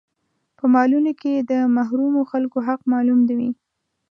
په مالونو کې يې د محرومو خلکو حق معلوم وي.